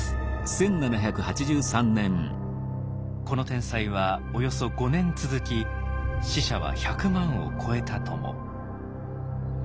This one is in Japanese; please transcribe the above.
この天災はおよそ５年続き死者は１００万をこえたとも。